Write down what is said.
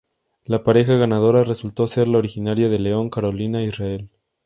La pareja ganadora resultó ser la originaria de León, Carolina e Israel.